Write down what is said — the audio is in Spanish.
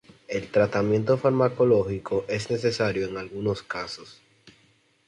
El tratamiento farmacológico es necesario en algunos casos.